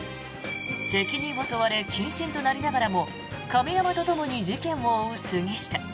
責任を問われ謹慎となりながらも亀山とともに事件を追う杉下。